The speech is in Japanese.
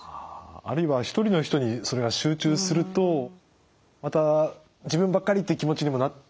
あるいは１人の人にそれが集中するとまた自分ばっかりっていう気持ちにもなってしまうんですかね。